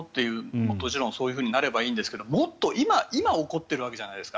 もちろん、そういうふうになればいいんですが今、起こっているわけじゃないですか。